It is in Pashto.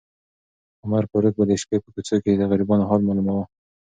عمر فاروق به د شپې په کوڅو کې د غریبانو حال معلوماوه.